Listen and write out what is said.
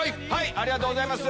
ありがとうございます。